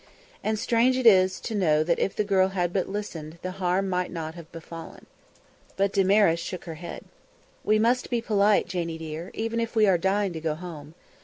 And strange it is to know that if the girl had but listened, the harm might not have befallen. But Damaris shook her head. "We must be polite, Janie dear, even if we are dying to go home.